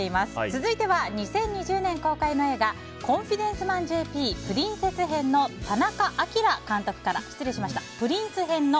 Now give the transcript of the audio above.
続いては２０２０年公開の映画「コンフィデンスマンＪＰプリンセス編」の田中亮監督から。